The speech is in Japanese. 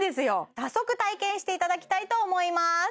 早速体験していただきたいと思います